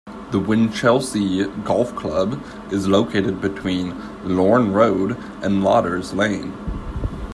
The Winchelsea Golf Club is located between Lorne Road and Lauders Lane.